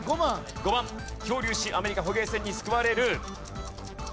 漂流しアメリカ捕鯨船に救われる。